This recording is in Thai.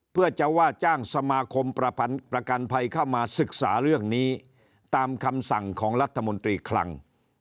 เพื่อจะว่าจ้างสมาคมประกันภัยเข้ามาศึกษาเรื่องนี้ตามคำสั่งของรัฐมนตรีคลัง